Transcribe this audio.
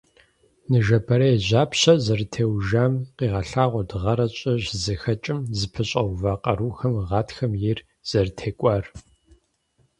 Ныжэбэрей жьапщэр зэрытеужам къигъэлъагъуэрт гъэрэ щӀырэ щызэхэкӀым зэпэщӀэува къарухэм гъатхэм ейр зэрытекӀуар.